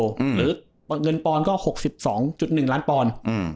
หรือเงินปอนดก็๖๒๑ล้านปอนด์